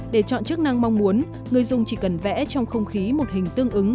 để chọn chức năng mong muốn người dùng chỉ cần vẽ trong không khí một hình tương ứng